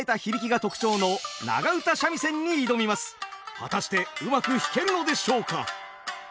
果たしてうまく弾けるのでしょうか。